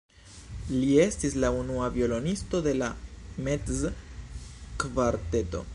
Li estis la unua violonisto de la Metz-kvarteto.